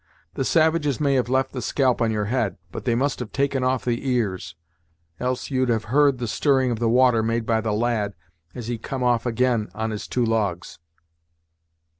The savages may have left the scalp on your head, but they must have taken off the ears; else you'd have heard the stirring of the water made by the lad as he come off ag'in on his two logs.